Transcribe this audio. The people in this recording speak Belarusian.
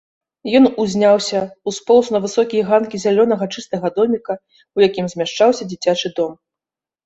Ён узняўся, успоўз на высокія ганкі зялёнага чыстага доміка, у якім змяшчаўся дзіцячы дом.